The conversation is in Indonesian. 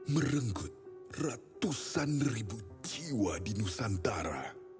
merenggut ratusan ribu jiwa di nusantara